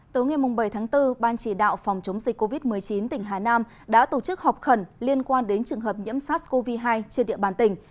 tối ngày bảy tháng bốn ban chỉ đạo phòng chống dịch covid một mươi chín tỉnh hà nam đã tổ chức họp khẩn liên quan đến trường hợp nhiễm sars cov hai trên địa bàn tỉnh